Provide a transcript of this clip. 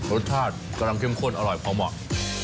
รสชาติกำลังเข้มข้นอร่อยพอเหมาะ